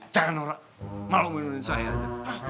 jangan norak malu ngeliatin saya aja